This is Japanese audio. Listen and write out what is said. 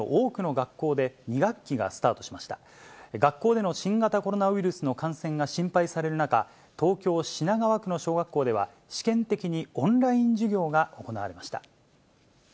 学校での新型コロナウイルスの感染が心配される中、東京・品川区の小学校では、試験的にオンライン授業が行われました。